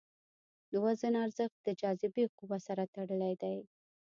د وزن ارزښت د جاذبې قوې سره تړلی دی.